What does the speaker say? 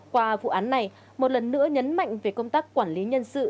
qua vụ án này một lần nữa nhấn mạnh về công tác quản lý nhân sự